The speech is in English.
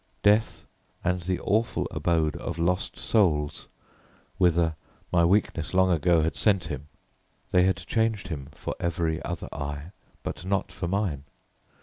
Death and the awful abode of lost souls, whither my weakness long ago had sent him they had changed him for every other eye, but not for mine.